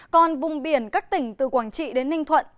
còn vùng biển các tỉnh từ quảng trị đến ninh thuận